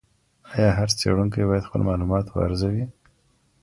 ایا هر څېړونکی باید خپل معلومات وارزوي؟